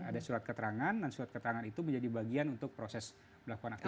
ada surat keterangan dan surat keterangan itu menjadi bagian untuk proses melakukan aktivitas